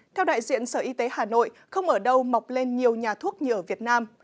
theo đại diện sở y tế hà nội không ở đâu mọc lên nhiều nhà thuốc như ở việt nam